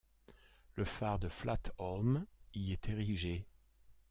Le phare de Flat Holm y est érigé.